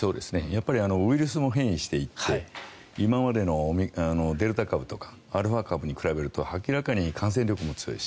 やっぱりウイルスも変異していて今までのデルタ株とかアルファ株に比べると明らかに感染力も強い。